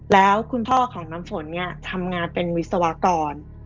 แล้วคุณพ่อของน้ำฝนเนี่ยทำงานเป็นวิศวกร